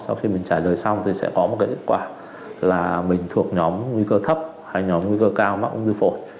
sau khi mình trả lời xong thì sẽ có một cái kết quả là mình thuộc nhóm nguy cơ thấp hay nhóm nguy cơ cao mắc ung thư phổi